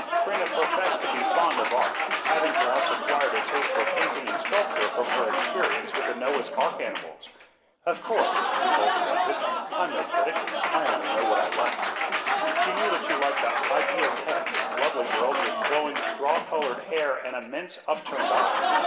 Trina professed to be fond of art, having perhaps acquired a taste for painting and sculpture from her experience with the Noah's ark animals. "Of course," she told the dentist, "I'm no critic, I only know what I like." She knew that she liked the "Ideal Heads," lovely girls with flowing straw colored hair and immense, upturned eyes.